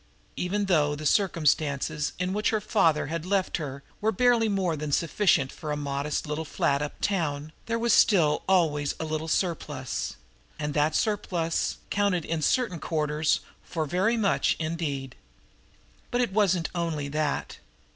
Even though the circumstances in which her father had left her were barely more than sufficient for a modest little flat uptown, there was still always a little surplus, and that surplus counted in certain quarters for very much indeed. But it wasn't only that.